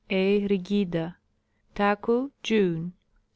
a rigida. Taku, June.